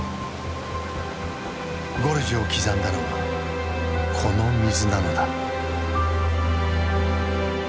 ゴルジュを刻んだのはこの水なのだ。